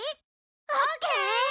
オッケー！